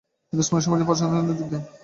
তিনি উসমানীয় সাম্রাজ্যের প্রশাসনে যোগ দেন।